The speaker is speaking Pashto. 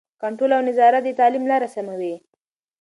کنټرول او نظارت د تعلیم لاره سموي.